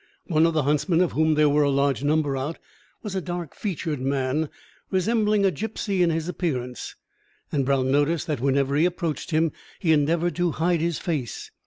One of the huntsmen, of whom there were a large number out, was a dark featured man, resembling a gipsy in his appearance; and Brown noticed that whenever he approached him he endeavoured to hide his face.